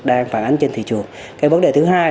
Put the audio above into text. đang phản ánh trên thị trường